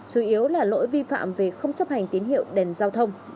chủ yếu là lỗi vi phạm về không chấp hành tín hiệu đèn giao thông